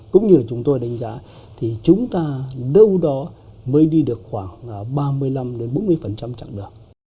cũng như chúng tôi đánh giá thì chúng ta đâu đó mới đi được khoảng ba mươi năm bốn mươi chặng đường